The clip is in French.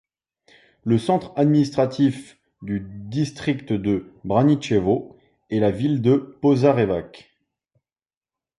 Le centre administratif du district de Braničevo est la ville de Požarevac.